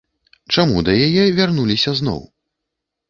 Чаму да яе вярнуліся зноў?